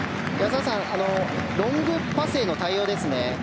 澤さん、ロングパスへの対応ですね。